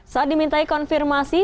saat dimintai konfirmasi